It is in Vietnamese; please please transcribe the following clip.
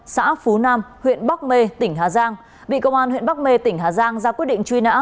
xã phú nam huyện bắc mê tỉnh hà giang bị công an huyện bắc mê tỉnh hà giang ra quyết định truy nã